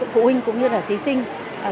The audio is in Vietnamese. phụ huynh cũng như là trí sinh